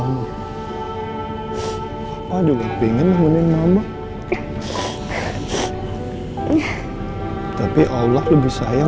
sampai jumpa di video selanjutnya